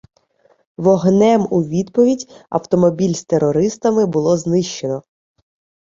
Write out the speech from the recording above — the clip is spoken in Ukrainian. Вогнем у відповідь автомобіль з терористами було знищено.